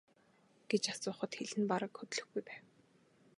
гэж асуухад хэл нь бараг хөдлөхгүй байв.